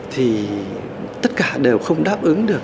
thì tất cả đều không đáp ứng được